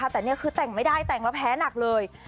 แต่นี่คือแต่งไม่ได้แต่งแล้วแพ้หนักเลย